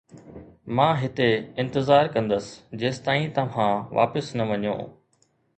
مان هتي انتظار ڪندس جيستائين توهان واپس نه وڃو